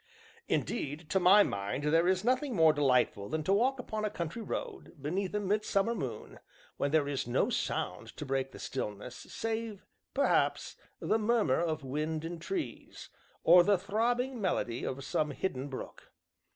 Indeed, to my mind, there is nothing more delightful than to walk upon a country road, beneath a midsummer moon, when there is no sound to break the stillness, save, perhaps, the murmur of wind in trees, or the throbbing melody of some hidden brook.